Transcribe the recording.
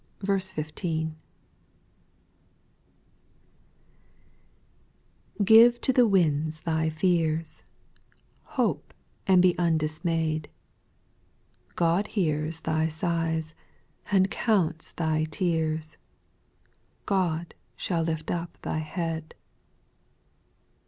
p\ IVE to the winds thy fears, vT Hope, and be undismayed God hears thy sighs, and counts thy tears, God shall lift up thy head.